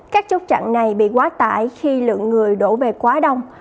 các chốt chặn này bị quá tải khi lượng người đổ về quá đông